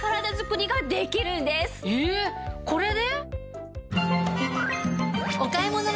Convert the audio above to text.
えこれで！？